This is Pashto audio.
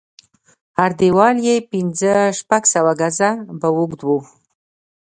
هر دېوال يې پنځه شپږ سوه ګزه به اوږد و.